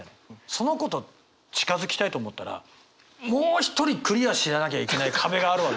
その子と近づきたいと思ったらもう一人クリアしなきゃいけない壁があるわけよ！